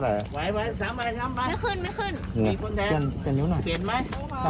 ไม่มีโอกาสนะคะคือน้องไปแล้วค่ะน้องไปสบายแล้ว